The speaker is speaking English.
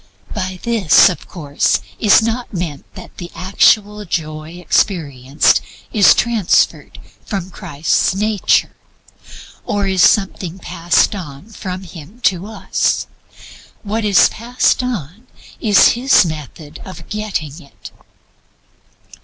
By this, of course, is not meant that the actual Joy experienced is transferred from Christ's nature, or is something passed on from Him to us. What is passed on is His method of getting it.